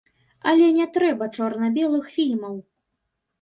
Але не трэба чорна-белых фільмаў!